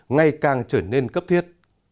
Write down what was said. ngày càng trở nên cấp thiết